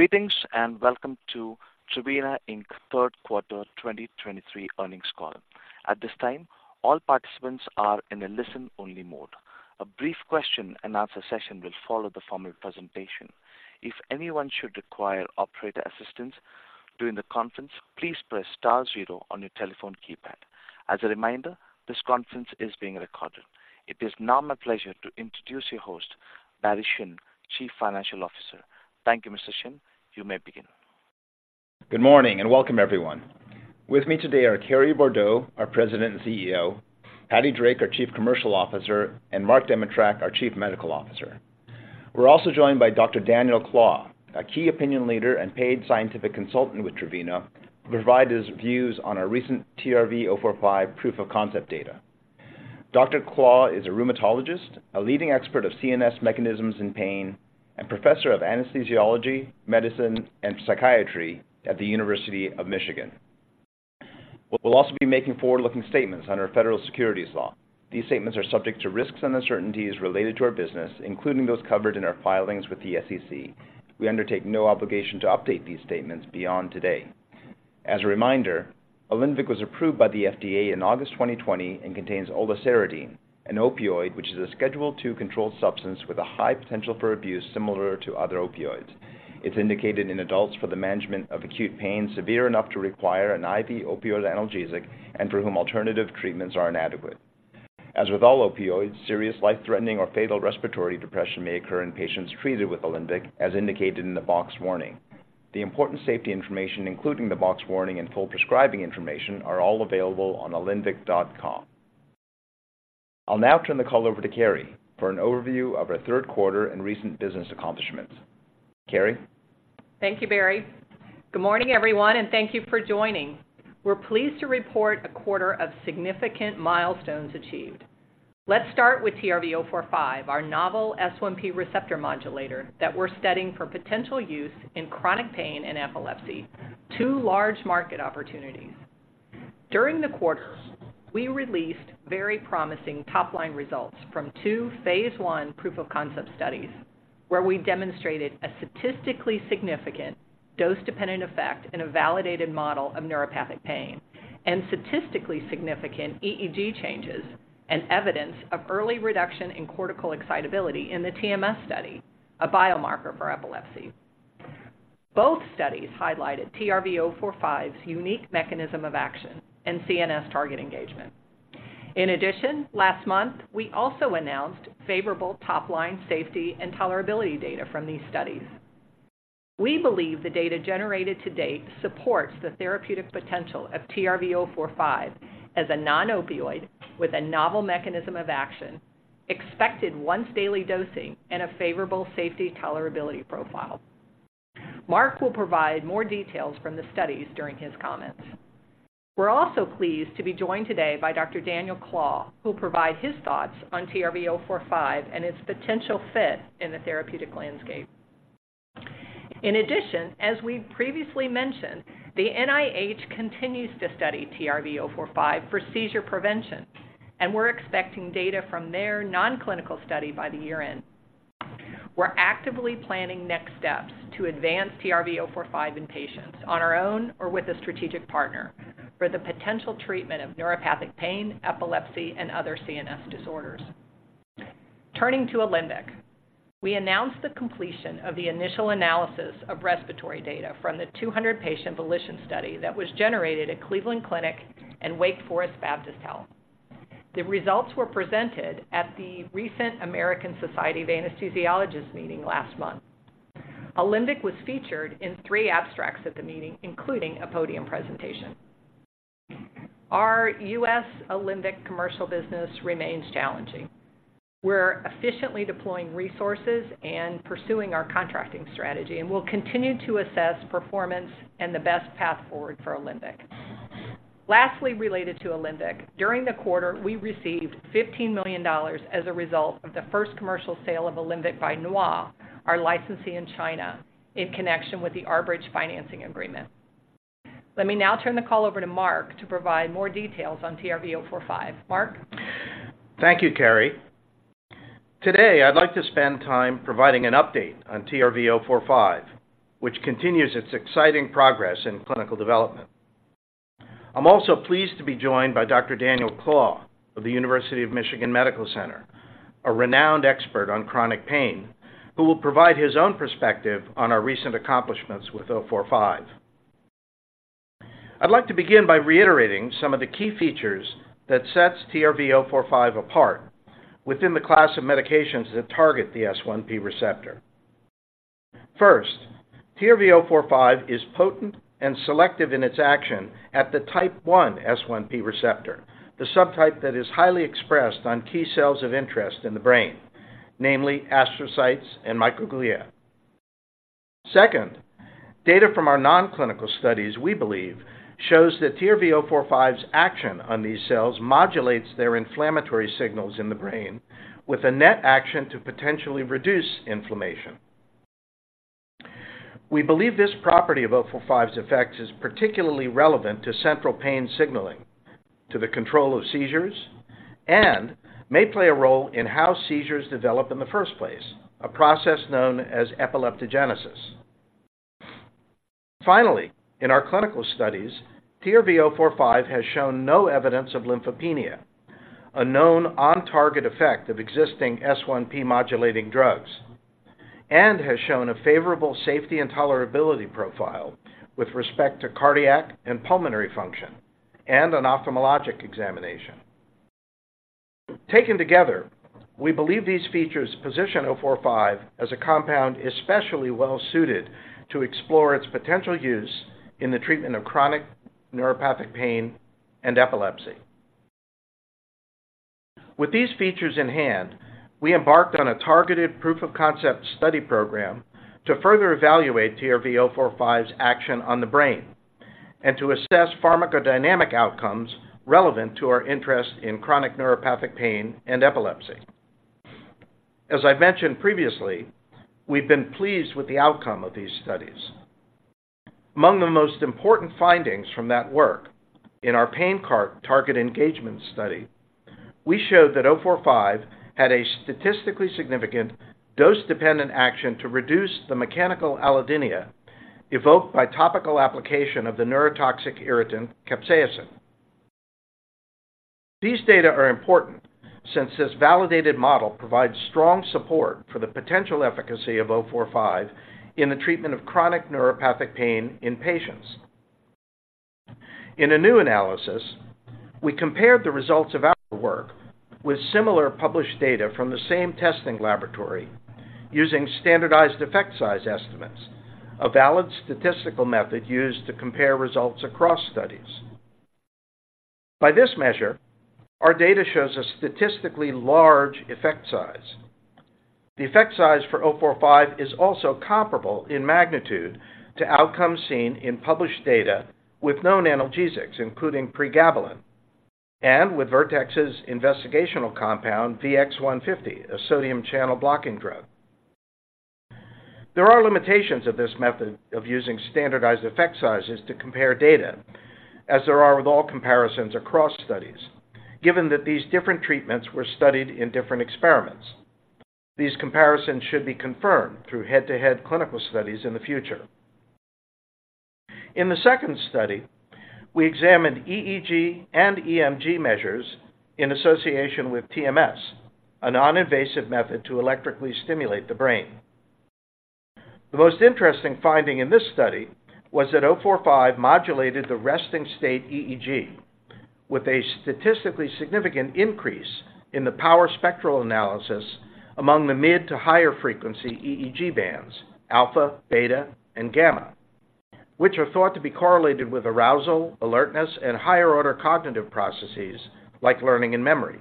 Greetings, and welcome to Trevena Inc. third quarter 2023 earnings call. At this time, all participants are in a listen-only mode. A brief question-and-answer session will follow the formal presentation. If anyone should require operator assistance during the conference, please press star zero on your telephone keypad. As a reminder, this conference is being recorded. It is now my pleasure to introduce your host, Barry Shin, Chief Financial Officer. Thank you, Mr. Shin. You may begin. Good morning, and welcome, everyone. With me tod``ay are Carrie Bourdow, our President and CEO, Patricia Drake, our Chief Commercial Officer, and Mark Demitrack, our Chief Medical Officer. We're also joined by Dr. Daniel Clauw, a key opinion leader and paid scientific consultant with Trevena, to provide his views on our recent TRV045 proof-of-concept data. Dr. Clauw is a rheumatologist, a leading expert of CNS mechanisms in pain, and professor of anesthesiology, medicine, and psychiatry at the University of Michigan. We'll also be making forward-looking statements under Federal Securities law. These statements are subject to risks and uncertainties related to our business, including those covered in our filings with the SEC. We undertake no obligation to update these statements beyond today. As a reminder, Olinvyk was approved by the FDA in August 2020 and contains oliceridine, an opioid, which is a Schedule II controlled substance with a high potential for abuse similar to other opioids. It's indicated in adults for the management of acute pain severe enough to require an IV opioid analgesic and for whom alternative treatments are inadequate. As with all opioids, serious life-threatening or fatal respiratory depression may occur in patients treated with Olinvyk, as indicated in the Boxed Warning. The important safety information, including the Boxed Warning and full prescribing information, are all available on Olinvyk.com. I'll now turn the call over to Carrie for an overview of our third quarter and recent business accomplishments. Carrie? Thank you, Barry. Good morning, everyone, and thank you for joining. We're pleased to report a quarter of significant milestones achieved. Let's start with TRV045, our novel S1P receptor modulator that we're studying for potential use in chronic pain and epilepsy, two large market opportunities. During the quarter, we released very promising top-line results from two Phase 1 proof-of-concept studies, where we demonstrated a statistically significant dose-dependent effect in a validated model of neuropathic pain and statistically significant EEG changes and evidence of early reduction in cortical excitability in the TMS study, a biomarker for epilepsy. Both studies highlighted TRV045's unique mechanism of action and CNS target engagement. In addition, last month, we also announced favorable top-line safety and tolerability data from these studies. We believe the data generated to date supports the therapeutic potential of TRV045 as a non-opioid with a novel mechanism of action, expected once-daily dosing, and a favorable safety tolerability profile. Mark will provide more details from the studies during his comments. We're also pleased to be joined today` by Dr. Daniel Clauw, who'll provide his thoughts on TRV045 and its potential fit in the therapeutic landscape. In addition, as we've previously mentioned, the NIH continues to study TRV045 for seizure prevention, and we're expecting data from their non-clinical study by the year-end. We're actively planning next steps to advance TRV045 in patients on our own or with a strategic partner for the potential treatment of neuropathic pain, epilepsy, and other CNS disorders. Turning to Olinvyk, we announced the completion of the initial analysis of respiratory data from the 200-patient VOLITION study that was generated at Cleveland Clinic and Wake Forest Baptist Health. The results were presented at the recent American Society of Anesthesiologists meeting last month. Olinvyk was featured in three abstracts at the meeting, including a podium presentation. Our U.S. Olinvyk commercial business remains challenging. We're efficiently deploying resources and pursuing our contracting strategy, and we'll continue to assess performance and the best path forward for Olinvyk. Lastly, related to Olinvyk, during the quarter, we received $15 million as a result of the first commercial sale of Olinvyk by Nhwa, our licensee in China, in connection with the R-Bridge financing agreement. Let me now turn the call over to Mark to provide more details on TRV045. Mark? Thank you, Carrie. Today, I'd like to spend time providing an update on TRV045, which continues its exciting progress in clinical development. I'm also pleased to be joined by Dr. Daniel Clauw of the University of Michigan Medical Center, a renowned expert on chronic pain, who will provide his own perspective on our recent accomplishments with 045. I'd like to begin by reiterating some of the key features that sets TRV045 apart within the class of medications that target the S1P receptor. First, TRV045 is potent and selective in its action at the type one S1P receptor, the subtype that is highly expressed on key cells of interest in the brain, namely astrocytes and microglia. Second, data from our non-clinical studies, we believe, shows that TRV045's action on these cells modulates their inflammatory signals in the brain with a net action to potentially reduce inflammation. We believe this property of 045's effects is particularly relevant to central pain signaling to the control of seizures and may play a role in how seizures develop in the first place, a process known as epileptogenesis. Finally, in our clinical studies, TRV045 has shown no evidence of lymphopenia, a known on-target effect of existing S1P modulating drugs, and has shown a favorable safety and tolerability profile with respect to cardiac and pulmonary function and an ophthalmologic examination. Taken together, we believe these features position 045 as a compound especially well-suited to explore its potential use in the treatment of chronic neuropathic pain and epilepsy. With these features in hand, we embarked on a targeted proof of concept study program to further evaluate TRV045's action on the brain and to assess pharmacodynamic outcomes relevant to our interest in chronic neuropathic pain and epilepsy. As I've mentioned previously, we've been pleased with the outcome of these studies. Among the most important findings from that work, in our pain target engagement study, we showed that 045 had a statistically significant dose-dependent action to reduce the mechanical allodynia evoked by topical application of the neurotoxic irritant, capsaicin. These data are important since this validated model provides strong support for the potential efficacy of 045 in the treatment of chronic neuropathic pain in patients. In a new analysis, we compared the results of our work with similar published data from the same testing laboratory using standardized effect size estimates, a valid statistical method used to compare results across studies. By this measure, our data shows a statistically large effect size. The effect size for 045 is also comparable in magnitude to outcomes seen in published data with known analgesics, including pregabalin, and with Vertex's investigational compound, VX-150, a sodium channel blocking drug. There are limitations of this method of using standardized effect sizes to compare data, as there are with all comparisons across studies, given that these different treatments were studied in different experiments. These comparisons should be confirmed through head-to-head clinical studies in the future. In the second study, we examined EEG and EMG measures in association with TMS, a non-invasive method to electrically stimulate the brain. The most interesting finding in this study was that 045 modulated the resting state EEG with a statistically significant increase in the power spectral analysis among the mid to higher frequency EEG bands, alpha, beta, and gamma, which are thought to be correlated with arousal, alertness, and higher order cognitive processes like learning and memory.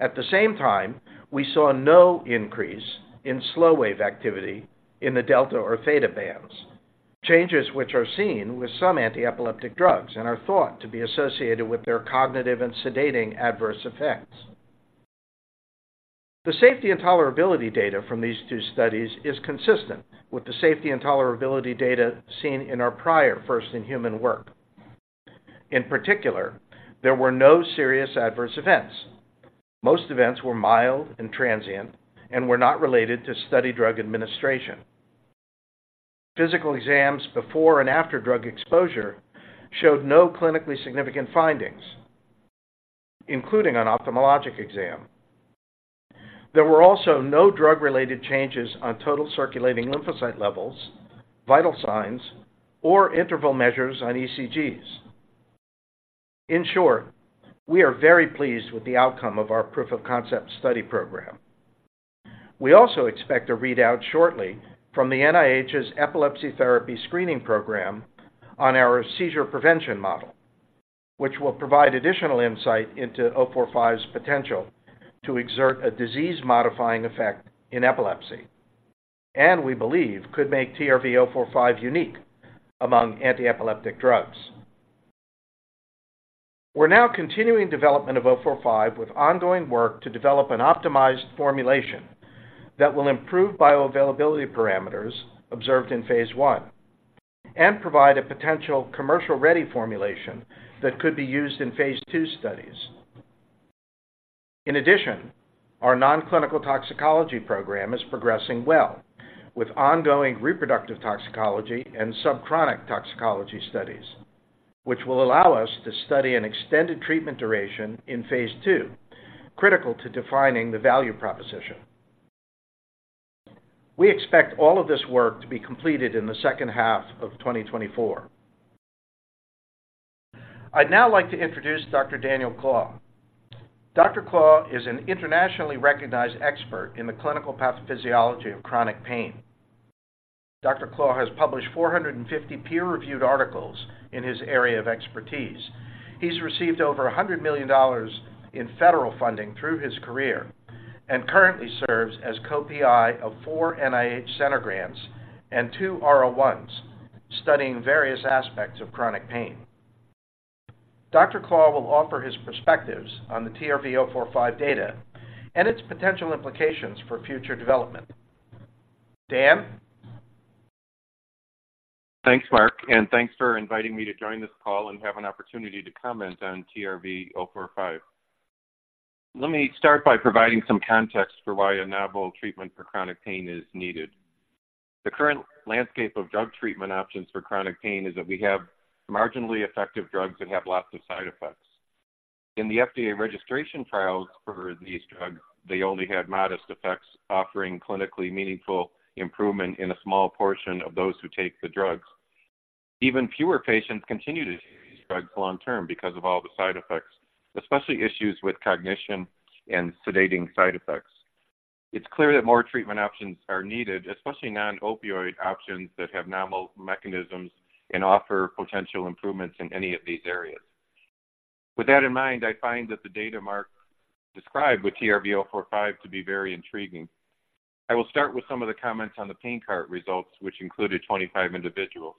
At the same time, we saw no increase in slow wave activity in the delta or theta bands, changes which are seen with some antiepileptic drugs and are thought to be associated with their cognitive and sedating adverse effects. The safety and tolerability data from these two studies is consistent with the safety and tolerability data seen in our prior first-in-human work. In particular, there were no serious adverse events. Most events were mild and transient and were not related to study drug administration. Physical exams before and after drug exposure showed no clinically significant findings, including an ophthalmologic exam. There were also no drug-related changes on total circulating lymphocyte levels, vital signs, or interval measures on ECGs. In short, we are very pleased with the outcome of our proof of concept study program. We also expect a readout shortly from the NIH's Epilepsy Therapy Screening Program on our seizure prevention model, which will provide additional insight into 045's potential to exert a disease-modifying effect in epilepsy, and we believe could make TRV045 unique among antiepileptic drugs. We're now continuing development of 045 with ongoing work to develop an optimized formulation that will improve bioavailability parameters observed in Phase 1 and provide a potential commercial-ready formulation that could be used in Phase 2 studies. In addition, our non-clinical toxicology program is progressing well, with ongoing reproductive toxicology and subchronic toxicology studies, which will allow us to study an extended treatment duration Phase 2, critical to defining the value proposition. We expect all of this work to be completed in the second half of 2024. I'd now like to introduce Dr. Daniel Clauw. Dr. Clauw is an internationally recognized expert in the clinical pathophysiology of chronic pain. Dr. Clauw has published 450 peer-reviewed articles in his area of expertise. He's received over $100 million in federal funding through his career and currently serves as co-PI of four NIH center grants and two R01s, studying various aspects of chronic pain. Dr. Clauw will offer his perspectives on the TRV045 data and its potential implications for future development. Dan?... Thanks, Mark, and thanks for inviting me to join this call and have an opportunity to comment on TRV045. Let me start by providing some context for why a novel treatment for chronic pain is needed. The current landscape of drug treatment options for chronic pain is that we have marginally effective drugs that have lots of side effects. In the FDA registration trials for these drugs, they only had modest effects, offering clinically meaningful improvement in a small portion of those who take the drugs. Even fewer patients continue to use these drugs long term because of all the side effects, especially issues with cognition and sedating side effects. It's clear that more treatment options are needed, especially non-opioid options that have novel mechanisms and offer potential improvements in any of these areas. With that in mind, I find that the data Mark described with TRV045 to be very intriguing. I will start with some of the comments on the pain cohort results, which included 25 individuals.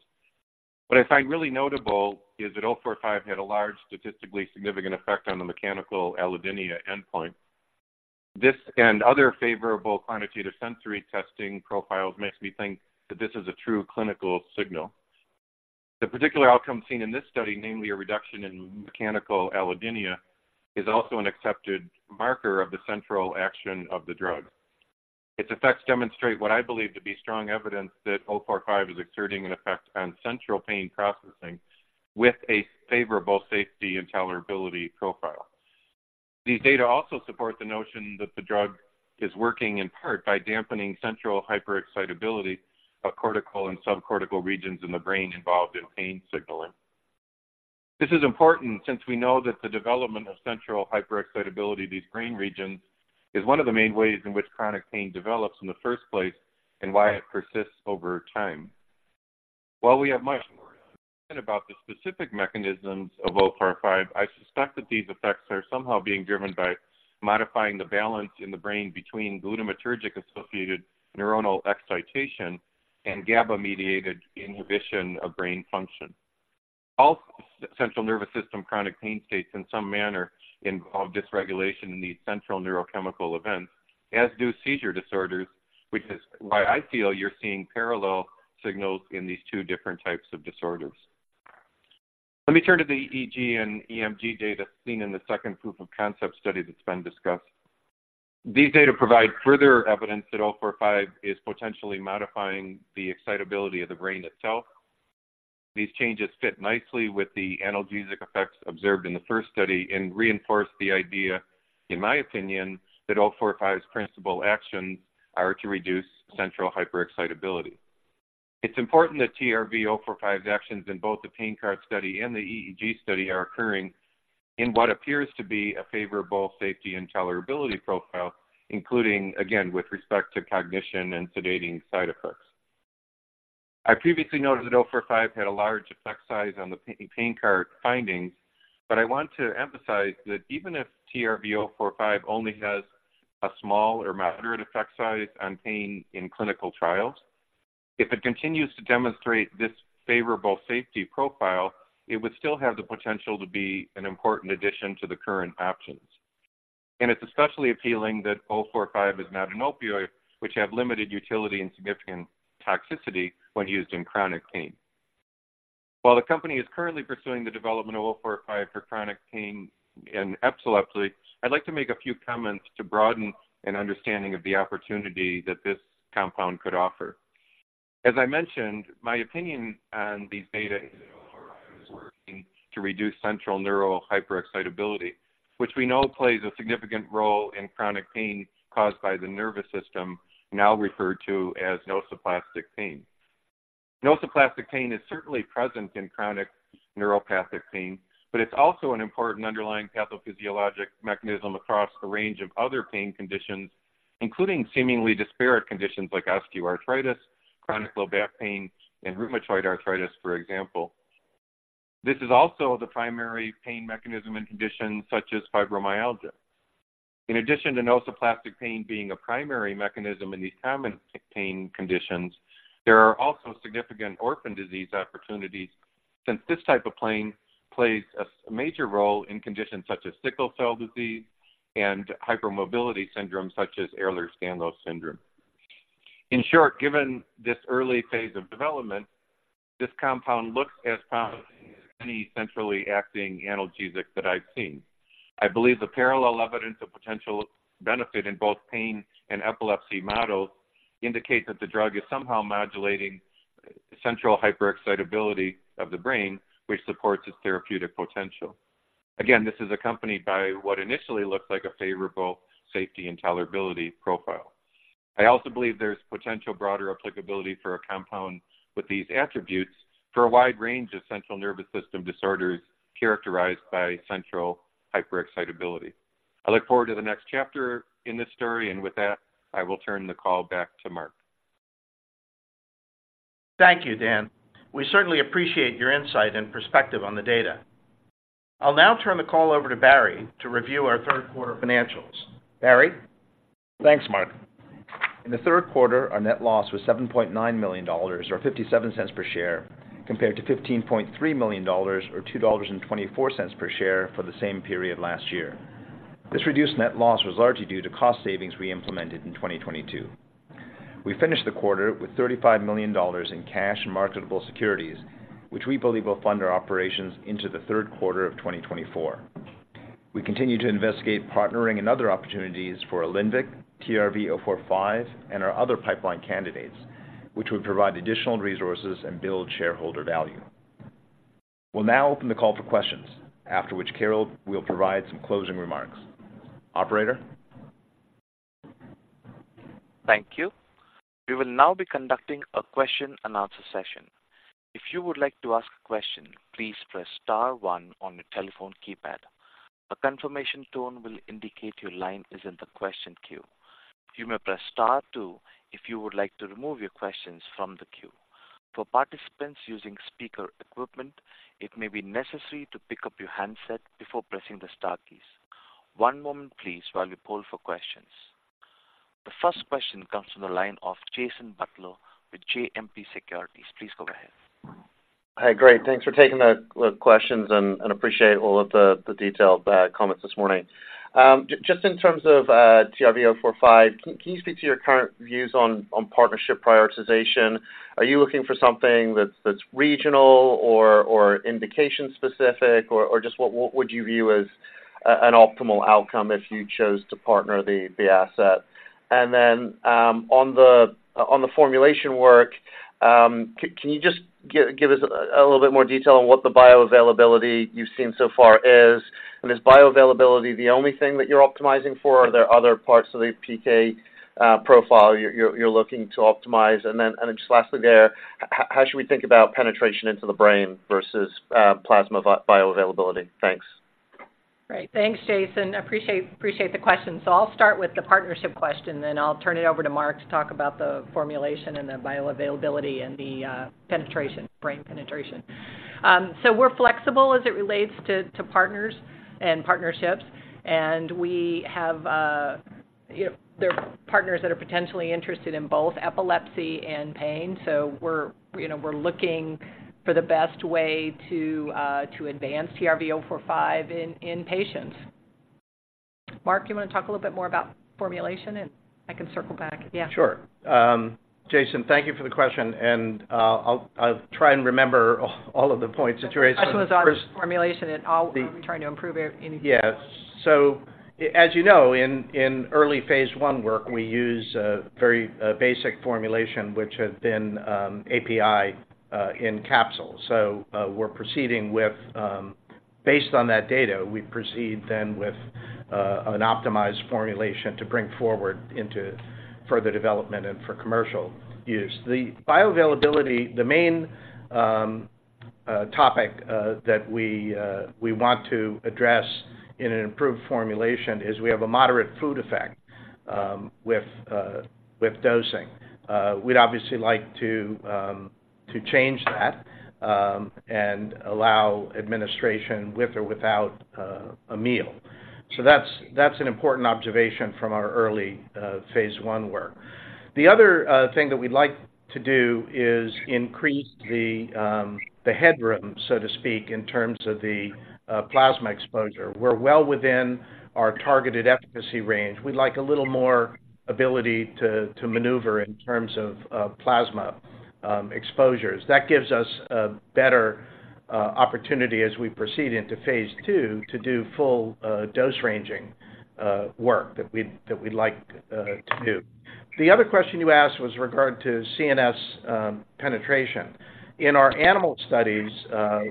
What I find really notable is that 045 had a large, statistically significant effect on the mechanical allodynia endpoint. This and other favorable quantitative sensory testing profiles makes me think that this is a true clinical signal. The particular outcome seen in this study, namely a reduction in mechanical allodynia, is also an accepted marker of the central action of the drug. Its effects demonstrate what I believe to be strong evidence that 045 is exerting an effect on central pain processing with a favorable safety and tolerability profile. These data also support the notion that the drug is working in part by dampening central hyperexcitability of cortical and subcortical regions in the brain involved in pain signaling. This is important since we know that the development of central hyperexcitability in these brain regions is one of the main ways in which chronic pain develops in the first place and why it persists over time. While we have much more about the specific mechanisms of 045, I suspect that these effects are somehow being driven by modifying the balance in the brain between glutamatergic-associated neuronal excitation and GABA-mediated inhibition of brain function. All central nervous system chronic pain states in some manner involve dysregulation in these central neurochemical events, as do seizure disorders, which is why I feel you're seeing parallel signals in these two different types of disorders. Let me turn to the EEG and EMG data seen in the second proof of concept study that's been discussed. These data provide further evidence that 045 is potentially modifying the excitability of the brain itself. These changes fit nicely with the analgesic effects observed in the first study and reinforce the idea, in my opinion, that 045's principal actions are to reduce central hyperexcitability. It's important that TRV045's actions in both the pain cohort study and the EEG study are occurring in what appears to be a favorable safety and tolerability profile, including, again, with respect to cognition and sedating side effects. I previously noted that 045 had a large effect size on the pain cohort findings, but I want to emphasize that even if TRV045 only has a small or moderate effect size on pain in clinical trials, if it continues to demonstrate this favorable safety profile, it would still have the potential to be an important addition to the current options. It's especially appealing that 045 is not an opioid, which have limited utility and significant toxicity when used in chronic pain. While the company is currently pursuing the development of 045 for chronic pain and epilepsy, I'd like to make a few comments to broaden an understanding of the opportunity that this compound could offer. As I mentioned, my opinion on these data is working to reduce central neural hyperexcitability, which we know plays a significant role in chronic pain caused by the nervous system, now referred to as nociplastic pain. Nociplastic pain is certainly present in chronic neuropathic pain, but it's also an important underlying pathophysiologic mechanism across a range of other pain conditions, including seemingly disparate conditions like osteoarthritis, chronic low back pain, and rheumatoid arthritis, for example. This is also the primary pain mechanism in conditions such as fibromyalgia. In addition to nociplastic pain being a primary mechanism in these common pain conditions, there are also significant orphan disease opportunities since this type of pain plays a major role in conditions such as sickle cell disease and hypermobility syndromes such as Ehlers-Danlos syndrome. In short, given this early phase of development, this compound looks as promising as any centrally acting analgesic that I've seen. I believe the parallel evidence of potential benefit in both pain and epilepsy models indicates that the drug is somehow modulating central hyperexcitability of the brain, which supports its therapeutic potential. Again, this is accompanied by what initially looks like a favorable safety and tolerability profile. I also believe there's potential broader applicability for a compound with these attributes for a wide range of central nervous system disorders characterized by central hyperexcitability. I look forward to the next chapter in this story, and with that, I will turn the call back to Mark. Thank you, Dan. We certainly appreciate your insight and perspective on the data. I'll now turn the call over to Barry to review our third quarter financials. Barry? Thanks, Mark. In the third quarter, our net loss was $7.9 million, or $0.57 per share, compared to $15.3 million, or $2.24 per share, for the same period last year. This reduced net loss was largely due to cost savings we implemented in 2022. We finished the quarter with $35 million in cash and marketable securities, which we believe will fund our operations into the third quarter of 2024. We continue to investigate partnering and other opportunities for Olinvyk, TRV045, and our other pipeline candidates, which would provide additional resources and build shareholder value. We'll now open the call for questions, after which Carrie will provide some closing remarks. Operator? Thank you. We will now be conducting a question-and-answer session. If you would like to ask a question, please press star one on your telephone keypad. A confirmation tone will indicate your line is in the question queue. You may press star two if you would like to remove your questions from the queue. For participants using speaker equipment, it may be necessary to pick up your handset before pressing the star keys. One moment please, while we poll for questions. The first question comes from the line of Jason Butler with JMP Securities. Please go ahead. Hi, great. Thanks for taking the questions and appreciate all of the detailed comments this morning. Just in terms of TRV045, can you speak to your current views on partnership prioritization? Are you looking for something that's regional or indication specific, or just what would you view as an optimal outcome if you chose to partner the asset? And then, on the formulation work, can you just give us a little bit more detail on what the bioavailability you've seen so far is? And is bioavailability the only thing that you're optimizing for, or are there other parts of the PK profile you're looking to optimize? And then just lastly there, how should we think about penetration into the brain versus plasma bioavailability? Thanks. Great. Thanks, Jason. Appreciate, appreciate the questions. So I'll start with the partnership question, then I'll turn it over to Mark to talk about the formulation and the bioavailability and the penetration, brain penetration. So we're flexible as it relates to, to partners and partnerships, and we have, you know, there are partners that are potentially interested in both epilepsy and pain. So we're, you know, we're looking for the best way to, to advance TRV045 in, in patients. Mark, you want to talk a little bit more about formulation, and I can circle back? Yeah. Sure. Jason, thank you for the question, and I'll try and remember all of the points that you raised. Question was on the formulation and how are we trying to improve it? Yes. So, as you know, in early Phase 1 work, we use a very basic formulation, which has been API in capsules. So, we're proceeding with... Based on that data, we proceed then with an optimized formulation to bring forward into further development and for commercial use. The bioavailability, the main topic that we want to address in an improved formulation is we have a moderate food effect with dosing. We'd obviously like to change that and allow administration with or without a meal. So that's an important observation from our early Phase 1 work. The other thing that we'd like to do is increase the headroom, so to speak, in terms of the plasma exposure. We're well within our targeted efficacy range. We'd like a little more ability to maneuver in terms of plasma exposures. That gives us a better opportunity as we proceed into Phase 2 to do full dose-ranging work that we'd like to do. The other question you asked was regard to CNS penetration. In our animal studies,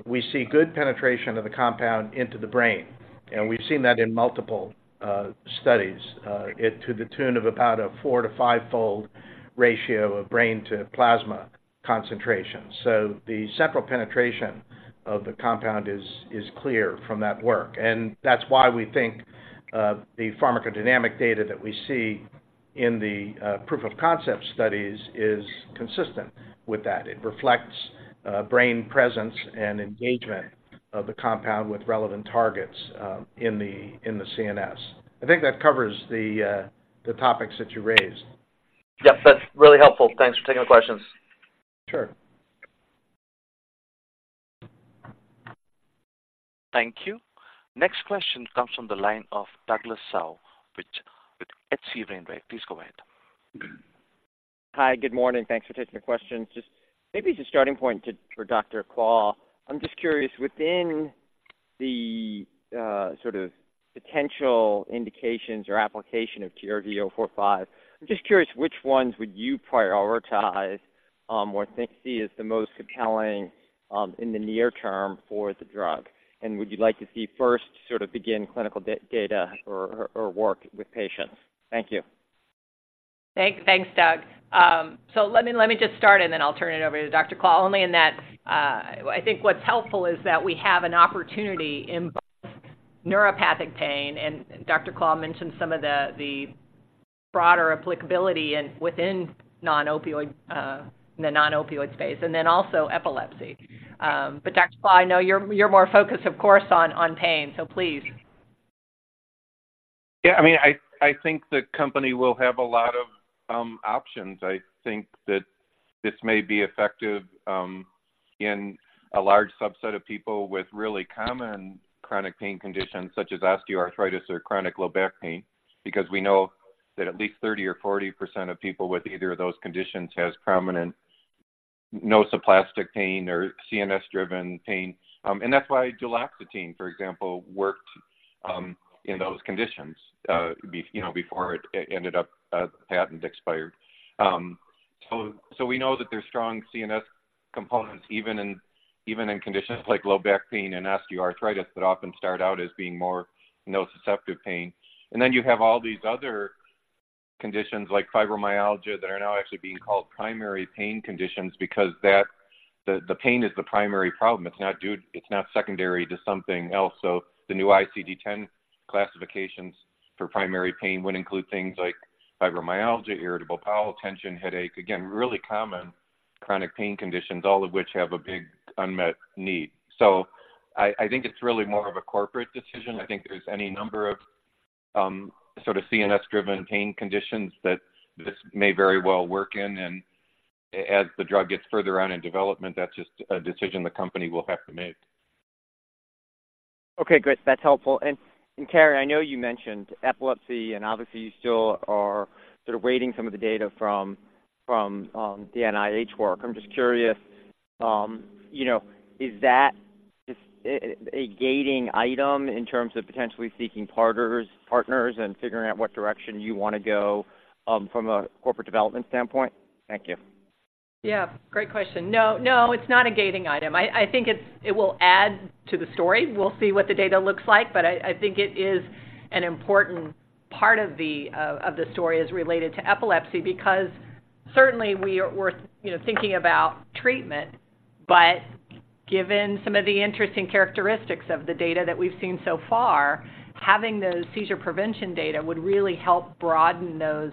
we see good penetration of the compound into the brain, and we've seen that in multiple studies it to the tune of about a 4-to 5-fold ratio of brain to plasma concentration. So the central penetration of the compound is clear from that work, and that's why we think the pharmacodynamic data that we see in the proof of concept studies is consistent with that. It reflects brain presence and engagement of the compound with relevant targets in the CNS.I think that covers the topics that you raised. Yep, that's really helpful. Thanks for taking the questions. Sure. Thank you. Next question comes from the line of Douglas Tsao with H.C. Wainwright. Please go ahead. Hi, good morning. Thanks for taking the questions. Just maybe as a starting point to, for Dr. Clauw, I'm just curious, within the, sort of potential indications or application of TRV045, I'm just curious, which ones would you prioritize, or think see as the most compelling, in the near term for the drug? And would you like to see first sort of begin clinical data or, or work with patients? Thank you. Thanks, Doug. So let me just start and then I'll turn it over to Dr. Clauw. I think what's helpful is that we have an opportunity in both neuropathic pain, and Dr. Clauw mentioned some of the broader applicability within the non-opioid space, and then also epilepsy. But Dr. Clauw, I know you're more focused, of course, on pain, so please. Yeah, I mean, I think the company will have a lot of options. I think that this may be effective in a large subset of people with really common chronic pain conditions, such as osteoarthritis or chronic low back pain, because we know that at least 30% or 40% of people with either of those conditions has prominent nociplastic pain or CNS-driven pain. And that's why duloxetine, for example, worked in those conditions, you know, before it ended up patent expired. So we know that there's strong CNS components, even in conditions like low back pain and osteoarthritis, that often start out as being more nociceptive pain. And then you have all these other conditions, like fibromyalgia, that are now actually being called primary pain conditions because that, the pain is the primary problem. It's not due. It's not secondary to something else. So the new ICD-10 classifications for primary pain would include things like fibromyalgia, irritable bowel, tension headache. Again, really common chronic pain conditions, all of which have a big unmet need. So I think it's really more of a corporate decision. I think there's any number of sort of CNS-driven pain conditions that this may very well work in, and as the drug gets further on in development, that's just a decision the company will have to make. Okay, great. That's helpful. And, and Carrie, I know you mentioned epilepsy, and obviously, you still are sort of waiting some of the data from, from, the NIH work. I'm just curious, you know, is that, is a, a gating item in terms of potentially seeking partners and figuring out what direction you want to go, from a corporate development standpoint? Thank you. Yeah, great question. No, no, it's not a gating item. I think it will add to the story. We'll see what the data looks like, but I think it is an important part of the story as related to epilepsy, because certainly we're, you know, thinking about treatment. But given some of the interesting characteristics of the data that we've seen so far, having those seizure prevention data would really help broaden those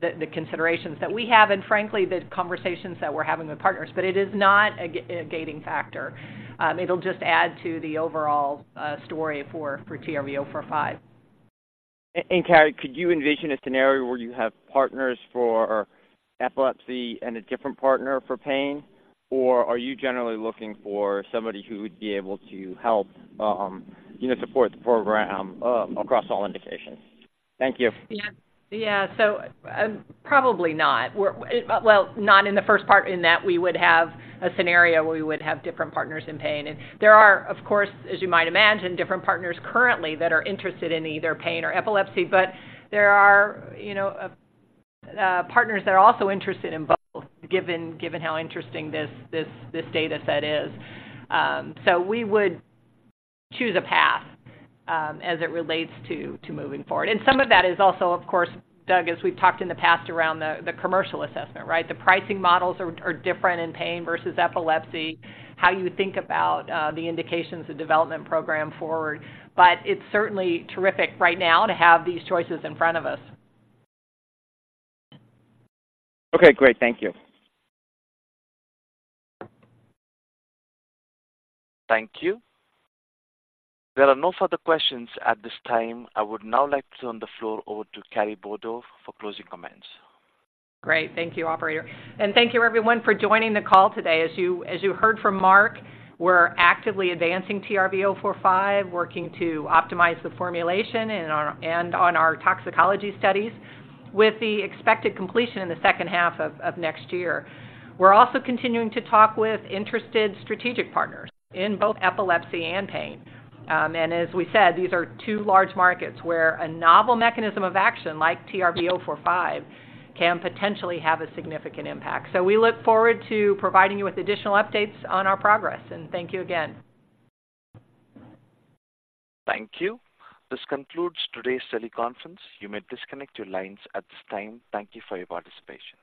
the considerations that we have and frankly, the conversations that we're having with partners. But it is not a gating factor. It'll just add to the overall story for TRV045. Carrie, could you envision a scenario where you have partners for epilepsy and a different partner for pain or are you generally looking for somebody who would be able to help, you know, support the program, across all indications? Thank you. Yeah. So, probably not. Well, not in the first part, in that we would have a scenario where we would have different partners in pain. And there are, of course, as you might imagine, different partners currently that are interested in either pain or epilepsy, but there are, you know, partners that are also interested in both, given how interesting this data set is. So we would choose a path, as it relates to moving forward. And some of that is also, of course, Doug, as we've talked in the past, around the commercial assessment, right? The pricing models are different in pain versus epilepsy, how you think about the indications, the development program forward. But it's certainly terrific right now to have these choices in front of us. Okay, great. Thank you. Thank you. There are no further questions at this time. I would now like to turn the floor over to Carrie Bourdow for closing comments. Great. Thank you, operator, and thank you everyone for joining the call today. As you heard from Mark, we're actively advancing TRV045, working to optimize the formulation and on our toxicology studies with the expected completion in the second half of next year. We're also continuing to talk with interested strategic partners in both epilepsy and pain. And as we said, these are two large markets where a novel mechanism of action, like TRV045, can potentially have a significant impact. So we look forward to providing you with additional updates on our progress, and thank you again. Thank you. This concludes today's teleconference. You m`ay disconnect your lines at this time. Thank you for your participation.